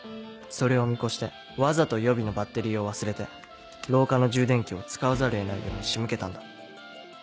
それを見越してわざと予備のバッテリーを忘れて廊下の充電器を使わざるを得ないように仕向けたんだ。